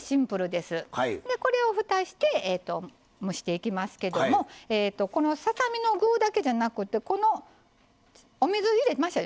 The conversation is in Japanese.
でこれをふたして蒸していきますけどもこのささ身の具だけじゃなくてこのお水入れましたよね